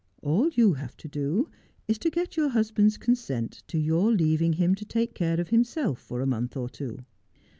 All you have to do is to get your husband's consent to your leaving him to take care of himself for a month or two.'